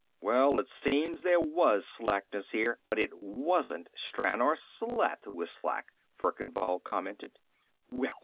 "Well, it seems there was slackness here, but it wasn't Stranor Sleth who was slack," Verkan Vall commented. "Well!